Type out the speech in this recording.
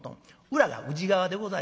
裏が宇治川でございます。